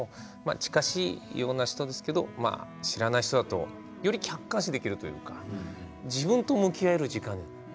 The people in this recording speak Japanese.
近しいような人ですけど知らない人だとより客観視できるというか自分と向き合える時間